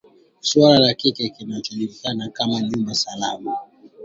suala la kile kinachojulikana kama nyumba salama